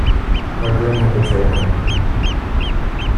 Her grin had betrayed her.